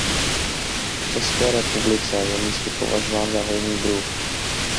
V České republice je místy považován za hojný druh.